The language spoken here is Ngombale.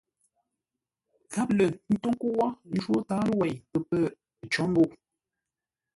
Gháp lər, ə́ ntó ńkə́u wó ńjwó tǎaló wêi pə̌ pə̂ cǒ mbə̂u.